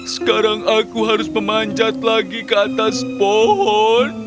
sekarang aku harus memanjat lagi ke atas pohon